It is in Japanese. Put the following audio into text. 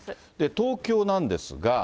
東京なんですが。